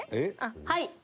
はい。